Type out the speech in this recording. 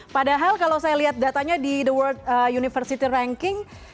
padahal kalau saya lihat datanya di the world university ranking